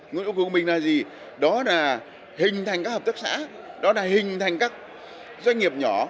nguyện vọng của mình là gì đó là hình thành các hợp tác xã đó là hình thành các doanh nghiệp nhỏ